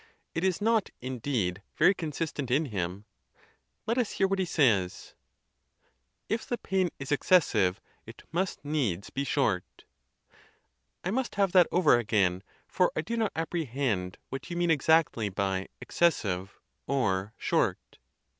It is not, indeed, very consist ent in him. Let us hear what he says: "If the pain is ex 4* 82 THE TUSCULAN DISPUTATIONS. cessive, it must needs be short." I must have that over again, for I do not apprehend what you mean exactly by "excessive" or "short."